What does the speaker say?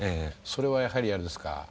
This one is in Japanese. それはやはりあれですか？